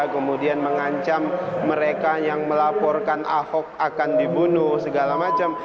kemudian mengancam mereka yang melaporkan ahok akan dibunuh segala macam